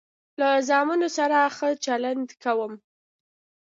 له زامنو سره ښه چلند کوم.